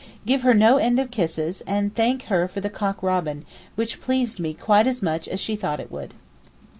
Give her no end of kisses, and thank her for the cock robin, which pleased me quite as much as she thought it would.